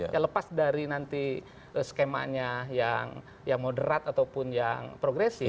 ya lepas dari nanti skemanya yang moderat ataupun yang progresif